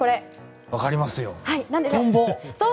わかりますよ。